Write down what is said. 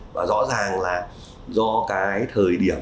và rõ ràng là do cái thời điểm